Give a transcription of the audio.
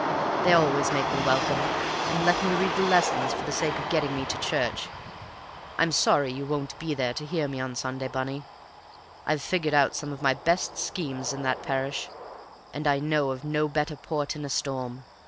They always make me welcome, and let me read the lessons for the sake of getting me to church. I'm sorry you won't be there to hear me on Sunday, Bunny. I've figured out some of my best schemes in that parish, and I know of no better port in a storm.